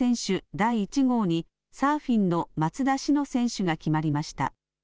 第１号にサーフィンの松田詩野選手が決まりました。